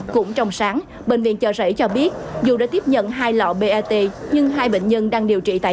cũng trong sáng bệnh viện chợ rẫy cho biết dù đã tiếp nhận hai lọ bat nhưng hai bệnh nhân đang điều trị tại đây